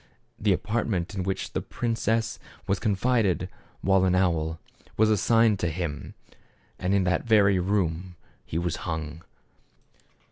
The apartment in which the prin cess was confined while an owl, was assigned to him. And in that very room he was hung.